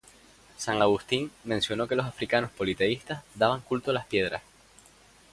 San Agustín mencionó que los africanos politeístas daban culto a las piedras.